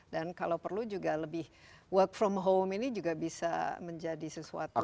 dan kalau perlu juga lebih work from home ini juga bisa menjadi sesuatu yang